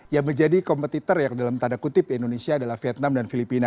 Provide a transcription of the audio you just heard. yang menjadi kompetitor yang dalam tanda kutip indonesia adalah vietnam dan filipina